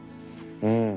うん。